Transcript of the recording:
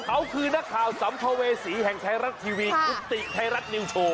เขาคือนักข่าวสัมภเวษีแห่งไทยรัฐทีวีคุณติไทยรัฐนิวโชว